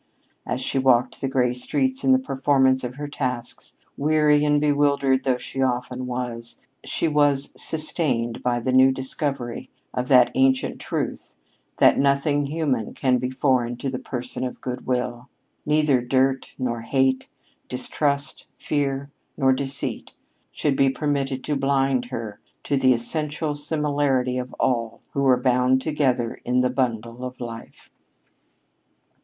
As she walked the gray streets in the performance of her tasks, weary and bewildered though she often was, she was sustained by the new discovery of that ancient truth that nothing human can be foreign to the person of good will. Neither dirt nor hate, distrust, fear, nor deceit should be permitted to blind her to the essential similarity of all who were "bound together in the bundle of life."